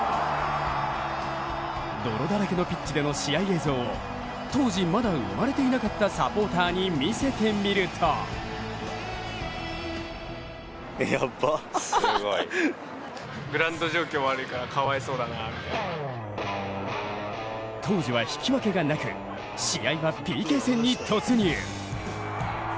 泥だらけのピッチでの試合映像を当時、まだ生まれていなかったサポーターに見せてみると当時は引き分けがなく試合はＰＫ戦に突入。